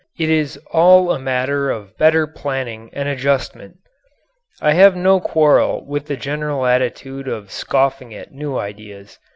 It is all a matter of better planning and adjustment. I have no quarrel with the general attitude of scoffing at new ideas.